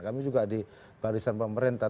kami juga di barisan pemerintah